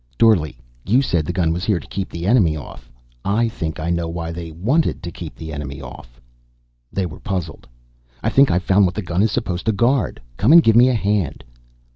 "Dorle, you said the gun was here to keep the enemy off. I think I know why they wanted to keep the enemy off." They were puzzled. "I think I've found what the gun is supposed to guard. Come and give me a hand."